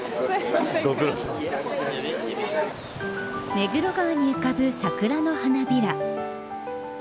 目黒川に浮かぶ桜の花びら。